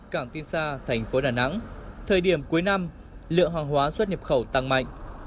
cảng tiên sa tp đà nẵng thời điểm cuối năm lượng hàng hóa xuất nhập khẩu tăng mạnh